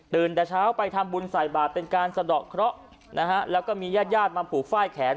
แต่เช้าไปทำบุญใส่บาทเป็นการสะดอกเคราะห์นะฮะแล้วก็มีญาติญาติมาผูกฝ้ายแขน